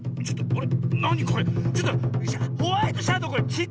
あれ？